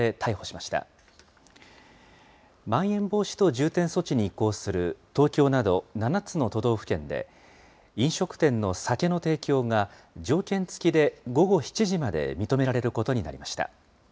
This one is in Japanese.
まん延防止等重点措置に移行する東京など７つの都道府県で、飲食店の酒の提供が条件付きで午後７時まで認められることになりました。